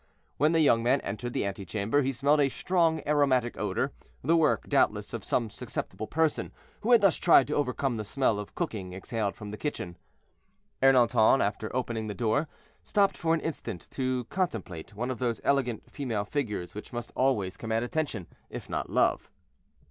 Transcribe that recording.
When the young man entered the antechamber, he smelled a strong aromatic odor, the work, doubtless, of some susceptible person, who had thus tried to overcome the smell of cooking exhaled from the kitchen. Ernanton, after opening the door, stopped for an instant to contemplate one of those elegant female figures which must always command attention, if not love.